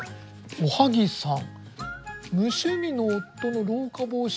おはぎさん。